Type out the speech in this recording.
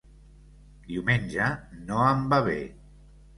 Diumenge no em va bé.